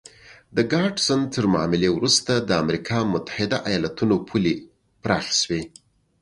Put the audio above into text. د ګاډسن تر معاملې وروسته د امریکا متحده ایالتونو پولې پراخې شوې.